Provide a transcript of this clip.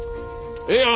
ええやん！